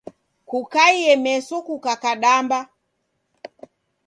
Kukaie meso kukakadamba.